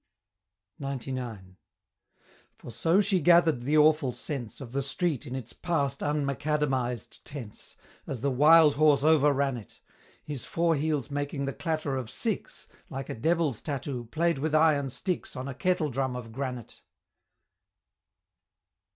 XCIX. For so she gather'd the awful sense Of the street in its past unmacadamized tense, As the wild horse overran it, His four heels making the clatter of six, Like a Devil's tattoo, play'd with iron sticks On a kettle drum of granite!